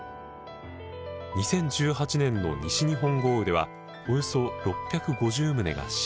２０１８年の西日本豪雨ではおよそ６５０棟が浸水。